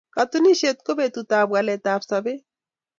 Katunisyet ko betutab waleetab sobeet.